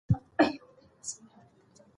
د ده خبرې د ولس لپاره دي.